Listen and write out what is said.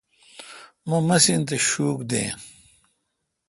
مہ مسین تھ شوک دین۔